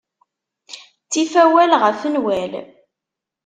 Ttif awal ɣef nnwal.